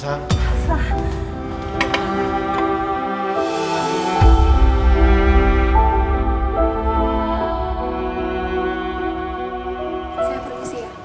saya perlu siap